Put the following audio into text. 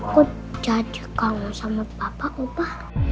aku jadi kamu sama papa opa